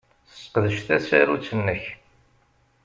Sseqdec tasarut-nnek.